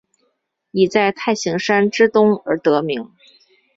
以在太行山之东而得名。